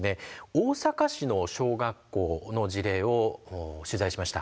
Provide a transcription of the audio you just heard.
大阪市の小学校の事例を取材しました。